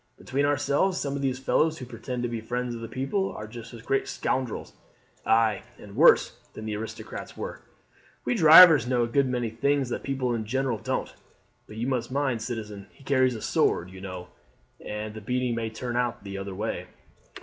"Between ourselves, some of these fellows who pretend to be friends of the people are just as great scoundrels, ay, and worse, than the aristocrats were. We drivers know a good many things that people in general don't; but you must mind, citizen, he carries a sword, you know, and the beating may turn out the other way."